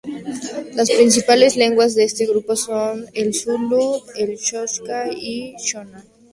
Las principales lenguas de este grupo son el zulú, el xhosa y el shona.